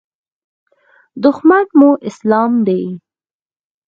دښمن مو اسلام دی.